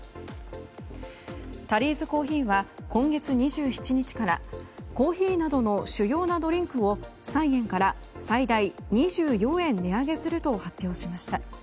タリーズコーヒーは今月２７日からコーヒーなどの主要なドリンクを３円から最大２４円値上げすると発表しました。